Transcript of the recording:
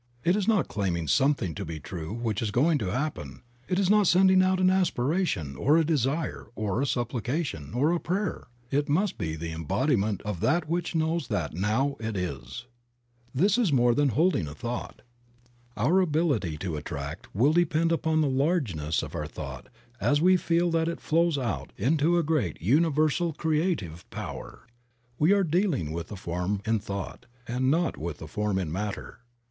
It is not claiming something to be true which is going to happen; it is not sending out an aspiration, or a desire, or a supplication, or a prayer; it must be the embodiment of that which knows that now it is. This is more than holding a thought. Our ability to attract will depend upon the largeness of our thought as we feel that it flows out into a great Universal Creative Power. We are dealing with the form in thought, and not with the form in matter.